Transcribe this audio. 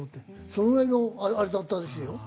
そのぐらいのあれだったらしいよ。